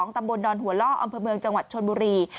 ตำบลดอนหัวล่ออำเภอเมืองจังหวัดชนบุรี